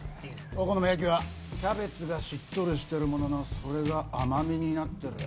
お好み焼きはキャベツがしっとりしてるもののそれが甘みになってる。